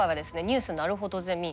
「ニュースなるほどゼミ」